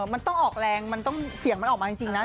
มันต้องออกแรงมันต้องเสียงมันออกมาจริงนะ